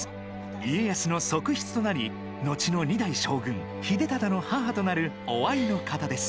家康の側室となり、のちの２代将軍・秀忠の母となる於愛の方です。